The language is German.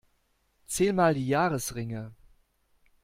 Zähl mal die Jahresringe.